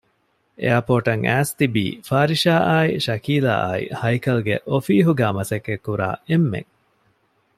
އެއަރޕޯރޓަށް އައިސް ތިބީ ފާރިޝާ އާއި ޝަކީލާ އާއި ހައިކަލްގެ އޮފީހުގައި މަސައްކަތްކުރާ އެންމެން